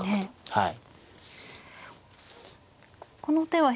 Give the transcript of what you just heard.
はい。